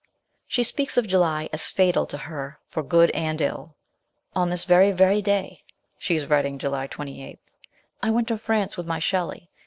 She speaks of July as fatal to her for good and ill. " On this very very day " she is writing July 28 " I went to France with my Shelley.